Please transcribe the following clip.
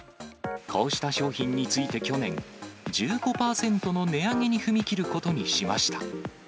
こうした商品について去年、１５％の値上げに踏み切ることにしました。